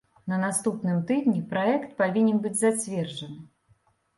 На наступным тыдні праект павінен быць зацверджаны.